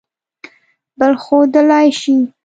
بل ښودلئ شی